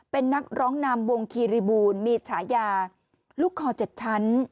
เป็นนักร้องนามวงกิริบูลมีสายาลูกคอเจ็ดชั้น